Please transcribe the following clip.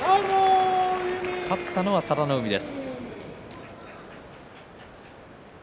勝ったのは佐田の海です。